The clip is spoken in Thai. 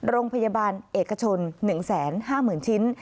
โรงพยาบาลเอกชนหนึ่งแสนห้าหมื่นชิ้น